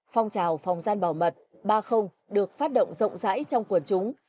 phong trào phòng gian bảo mật ba được phát động rộng rãi trong quần chúng